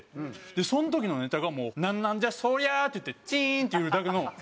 その時のネタがもう「なんなんじゃそりゃ！」って言ってチーンっていうだけの。